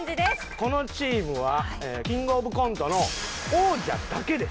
このチームは『キングオブコント』の王者だけです。